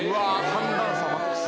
寒暖差マックス。